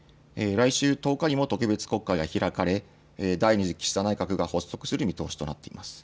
来週１０日にも特別国会が開かれ、第２次岸田内閣が発足する見通しとなっています。